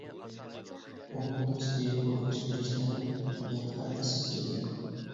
ئۇنىڭ دوستى بۇ ئۆزگىرىشلەردىن پۈتۈنلەي خەۋەرسىز ئىدى.